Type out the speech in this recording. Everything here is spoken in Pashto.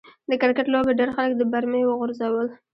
د کرکټ لوبې ډېر خلک د برمې و غورځول.